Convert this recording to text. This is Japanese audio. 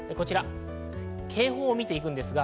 警報を見ていきます。